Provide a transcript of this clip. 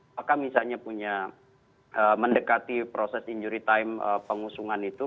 apakah misalnya punya mendekati proses injury time pengusungan itu